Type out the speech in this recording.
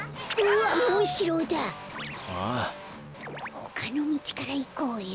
ほかのみちからいこうよ。